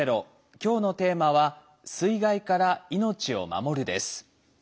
今日のテーマは「水害から命を守る」です。